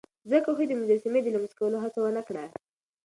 ځکه خو يې د مجسمې د لمس کولو هڅه ونه کړه.